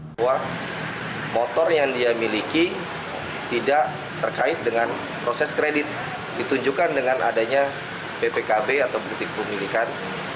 bahwa motor yang dia miliki tidak terkait dengan proses kredit ditunjukkan dengan adanya ppkb atau bukti pemilikan